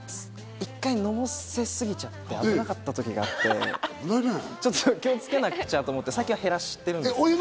一回のぼせすぎちゃって、危なかった時があって、気をつけなくちゃと思って、最近は減らしてます。